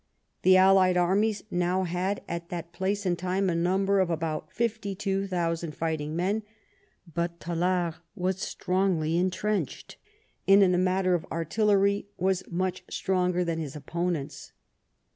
The allied armies now had at that place and time a number of about fifty two thousand fighting men, but Tallard was strongly intrenched, and in the matter of artillery was much stronger than his opponents.